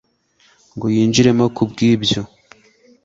ngo yinjiremo ku bw ibyo